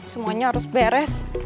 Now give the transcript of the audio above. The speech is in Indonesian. semuanya harus beres